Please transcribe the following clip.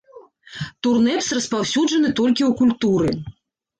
Турнэпс распаўсюджаны толькі ў культуры.